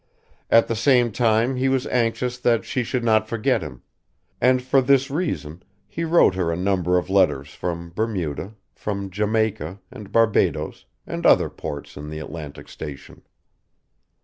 At the same time he was anxious that she should not forget him, and for this reason he wrote her a number of letters from Bermuda, from Jamaica and Barbadoes and other ports on the Atlantic station.